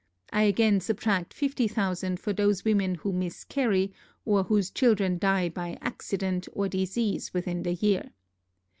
I again subtract fifty thousand, for those women who miscarry, or whose children die by accident or disease within the year.